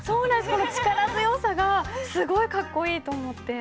この力強さがすごいかっこいいと思って。